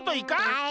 はい。